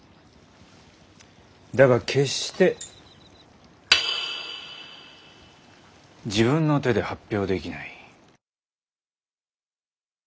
だが決して自分の手で発表できない。